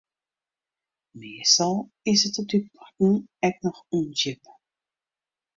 Meastal is it op dy plakken ek noch ûndjip.